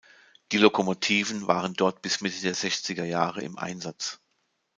Die Lokomotiven waren dort bis Mitte der sechziger Jahre im Einsatz.